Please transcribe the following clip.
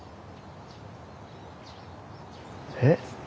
えっ？